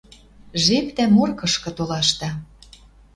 Жепдӓ Моркышкы толашда